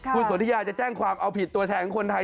คุณสนทิยาจะแจ้งความเอาผิดตัวแทนของคนไทย